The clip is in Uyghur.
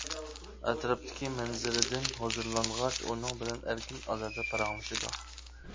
ئەتراپتىكى مەنزىرىدىن ھۇزۇرلانغاچ ئۇنىڭ بىلەن ئەركىن-ئازادە پاراڭلىشىدۇ.